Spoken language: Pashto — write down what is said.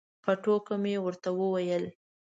په ټوکه مې ورته وویل.